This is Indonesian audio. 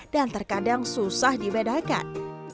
dan terkadang susah dibedakan